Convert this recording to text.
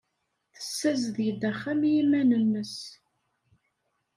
Tessazdeg-d axxam i yiman-nnes.